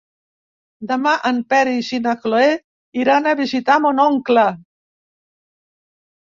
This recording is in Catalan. Demà en Peris i na Cloè iran a visitar mon oncle.